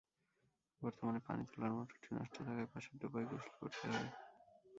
বর্তমানে পানি তোলার মোটরটি নষ্ট থাকায় পাশের ডোবায় গোসল করতে হয়।